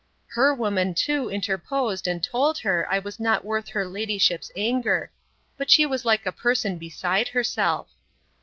Her woman too interposed, and told her, I was not worth her ladyship's anger. But she was like a person beside herself.